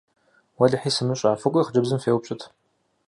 Уэлэхьи, сымыщӏэ, фыкӏуи хъыджэбзым феупщӏыт!